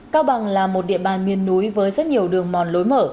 cao bằng là một địa bàn miền núi với rất nhiều đường mòn lối mở